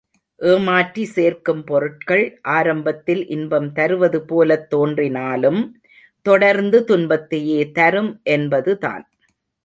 ஏமாற்றி சேர்க்கும் பொருட்கள் ஆரம்பத்தில் இன்பம் தருவது போலத் தோன்றினாலும், தொடர்ந்து துன்பத்தையே தரும் என்பது தான்.